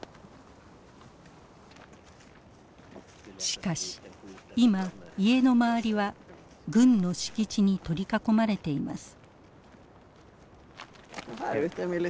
しかし今家の周りは軍の敷地に取り囲まれています。